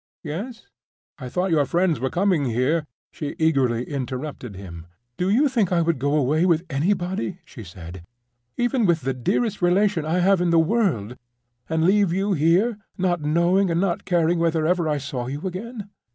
"Yes?" "I thought your friends were coming here—" She eagerly interrupted him. "Do you think I would go away with anybody," she said, "even with the dearest relation I have in the world, and leave you here, not knowing and not caring whether I ever saw you again?